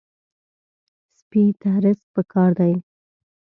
سپي ته رزق پکار دی.